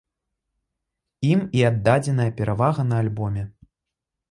Ім і аддадзеная перавага на альбоме.